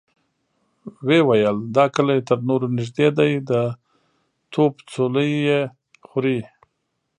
ويې ويل: دا کلي تر نورو نږدې دی، د توپ څولۍ يې خوري.